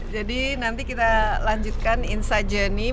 jadi nanti kita lanjutkan insajennya